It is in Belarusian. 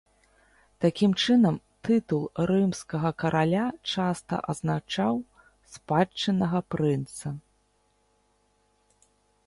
Такім чынам, тытул рымскага караля часта азначаў спадчыннага прынца.